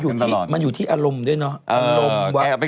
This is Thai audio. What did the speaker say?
เหมือนอยู่ที่อารมณ์ด้วยเนาะ